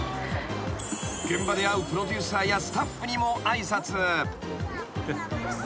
［現場で会うプロデューサーやスタッフにも挨拶］